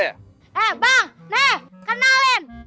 eh bang nih kenalin